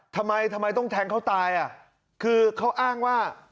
ทำไมทำไมต้องแทงเขาตายอ่ะคือเขาอ้างว่า